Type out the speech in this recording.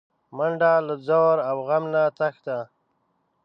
منډه له ځور او غم نه تښته